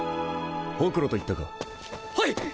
ホクロといったか。はいっ。